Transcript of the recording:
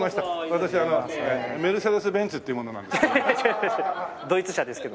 私メルセデス・ベンツっていう者なんですけど。